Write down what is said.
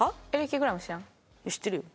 いや知ってるよ。